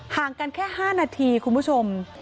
ห่างกันแค่๕นาทีคุณผู้ชม